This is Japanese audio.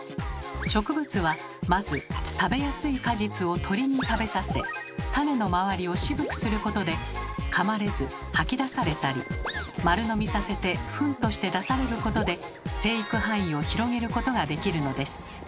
植物はまず食べやすい果実を鳥に食べさせ種の周りを渋くすることでかまれず吐き出されたり丸飲みさせてフンとして出されることで生育範囲を広げることができるのです。